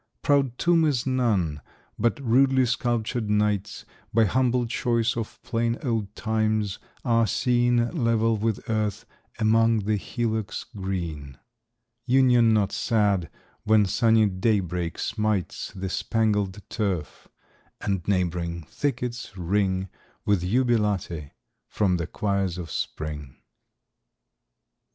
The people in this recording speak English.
Proud tomb is none; but rudely sculptured knights, By humble choice of plain old times, are seen 10 Level with earth, among the hillocks green: Union not sad, when sunny daybreak smites The spangled turf, and neighbouring thickets ring With jubilate from the choirs of spring!